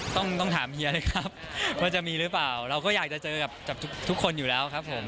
ต้องถามเฮียเลยครับว่าจะมีหรือเปล่าเราก็อยากจะเจอกับทุกคนอยู่แล้วครับผม